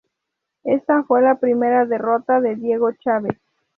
Esta fue la primera derrota de Diego Chaves.